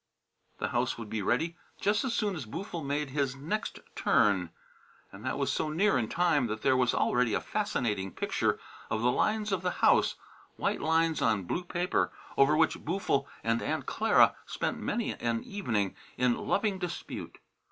The house would be ready just as soon as Boo'ful made his "next turn," and that was so near in time that there was already a fascinating picture of the lines of the house, white lines on blue paper, over which Boo'ful and Aunt Clara spent many an evening in loving dispute.